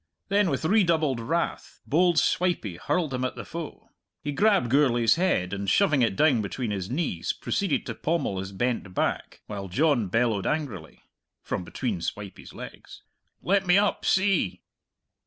Then with redoubled wrath bold Swipey hurled him at the foe. He grabbed Gourlay's head, and shoving it down between his knees, proceeded to pommel his bent back, while John bellowed angrily (from between Swipey's legs), "Let me up, see!"